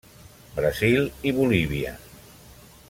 Brasil i Bolívia.